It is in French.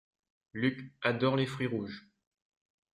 Luc adore les fruits rouges.